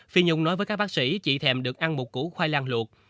phi nhung nói với các bác sĩ chị thèm được ăn một củ khoai lang luộc